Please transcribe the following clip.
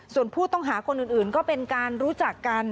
ส่วนผู้ต้องหาคนอื่นก็เป็นการรู้จักกัน